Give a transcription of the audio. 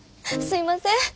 すいません。